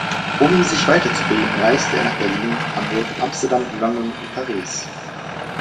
Um sich weiterzubilden reiste er nach Berlin, Hamburg, Amsterdam, London und Paris.